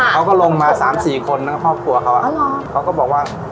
เค้าก็ลงมาสามสี่คนในครอบครัวเค้าอ่ะเค้าก็บอกว่า